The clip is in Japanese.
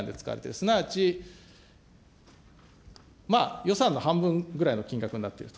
すなわち、まあ予算の半分ぐらいの金額になっていると。